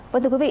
và thưa quý vị